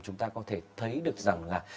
chúng ta có thể thấy được rằng là